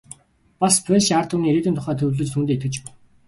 Бас польшийн ард түмний ирээдүйн тухай төлөвлөж, түүндээ итгэж байв.